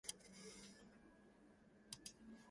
On this day they offer to the family deities.